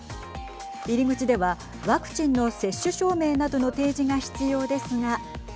入り口ではワクチンの接種証明などの提示が必要ですが。